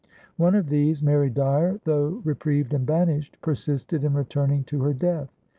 One of these, Mary Dyer, though reprieved and banished, persisted in returning to her death.